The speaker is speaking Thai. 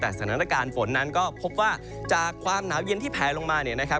แต่สถานการณ์ฝนนั้นก็พบว่าจากความหนาวเย็นที่แพลลงมา